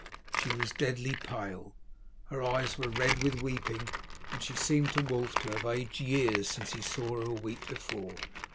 She was deadly pale. Her eyes were red with weeping, and she seemed to Wulf to have aged years since he saw her a week before.